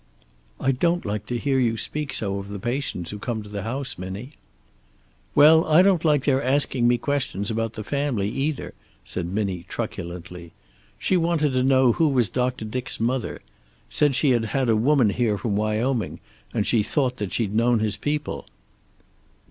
"I don't like to hear you speak so of the patients who come to the house, Minnie." "Well, I don't like their asking me questions about the family either," said Minnie, truculently. "She wanted to know who was Doctor Dick's mother. Said she had had a woman here from Wyoming, and she thought she'd known his people."